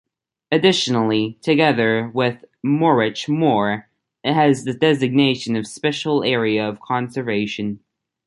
Additionally, together with Morrich More, it has the designation of Special Area of Conservation.